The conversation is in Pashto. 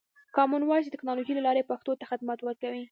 کامن وایس د ټکنالوژۍ له لارې پښتو ته خدمت ورکوي.